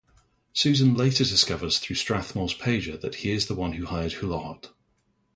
Susan later discovers through Strathmore's pager that he is the one who hired Hulohot.